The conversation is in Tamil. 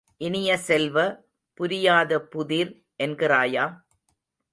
இனிய செல்வ, புரியாதபுதிர் என்கிறாயா?